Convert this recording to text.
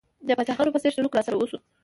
د پاچاهانو په څېر سلوک راسره وشو.